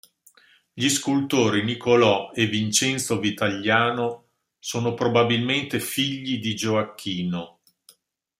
Gli scultori Nicolò e Vincenzo Vitagliano sono probabilmente figli di Gioacchino.